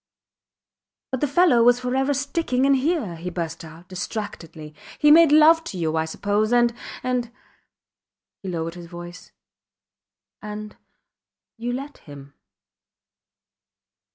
But the fellow was forever sticking in here, he burst out, distractedly. He made love to you, I suppose and, and ... He lowered his voice. And you let him.